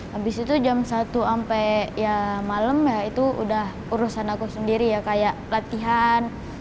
habis itu jam satu sampai ya malam ya itu udah urusan aku sendiri ya kayak latihan